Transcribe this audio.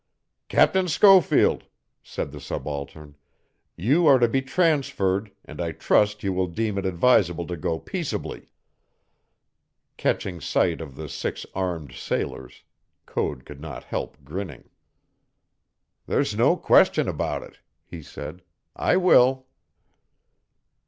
"Captain Schofield," said the subaltern, "you are to be transferred, and I trust you will deem it advisable to go peaceably." Catching sight of the six armed sailors, Code could not help grinning. "There's no question about it," he said; "I will."